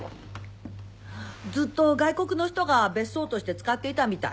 ずっと外国の人が別荘として使っていたみたい。